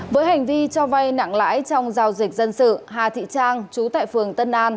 với hành vi cho vay nặng lãi trong giao dịch dân sự hà thị trang chú tại phường tân an